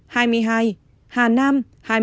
hà nam hai mươi một